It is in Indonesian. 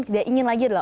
tidak ingin lagi lah